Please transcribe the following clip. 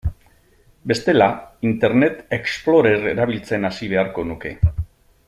Bestela, Internet Explorer erabiltzen hasi beharko nuke.